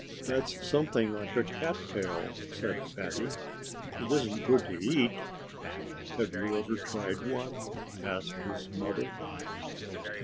"That's something like a cattail," said Fatty. "It isn't good to eat." "Have you ever tried one?" asked his mother.